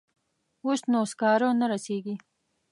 اوس نو سکاره نه رسیږي.